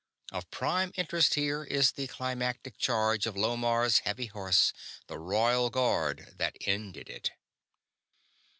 Of prime interest here is the climactic charge of Lomarr's heavy horse the Royal Guard that ended it.